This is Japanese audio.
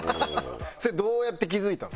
それどうやって気付いたの？